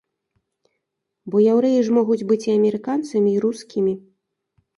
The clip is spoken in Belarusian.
Бо яўрэі ж могуць быць і амерыканцамі, і рускімі!